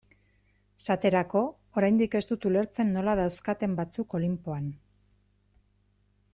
Esaterako, oraindik ez dut ulertzen nola dauzkaten batzuk Olinpoan.